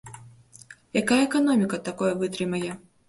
Якая эканоміка такое вытрымае?!